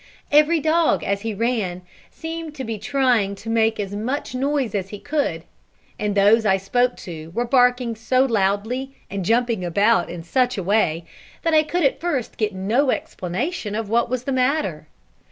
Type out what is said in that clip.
Every dog, as he ran, seemed to be trying to make as much noise as he could; and those I spoke to were barking so loudly, and jumping about in such a way, that I could at first get no explanation of what was the matter.